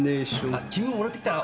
あっ君ももらって来たら？